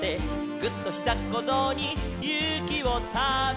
「ぐっ！とひざっこぞうにゆうきをため」